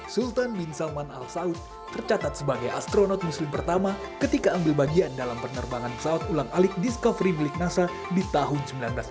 sultan bin salman al saud tercatat sebagai astronot muslim pertama ketika ambil bagian dalam penerbangan pesawat ulang alik discovery milik nasa di tahun seribu sembilan ratus enam puluh